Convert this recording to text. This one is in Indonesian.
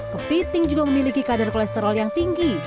kepiting juga memiliki kadar kolesterol yang tinggi